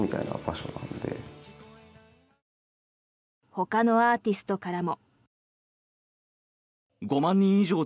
ほかのアーティストからも。